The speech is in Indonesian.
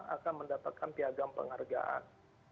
akan mendapatkan piagam penghargaan